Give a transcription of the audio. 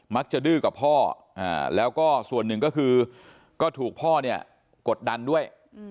ดื้อกับพ่อแล้วก็ส่วนหนึ่งก็คือก็ถูกพ่อเนี่ยกดดันด้วย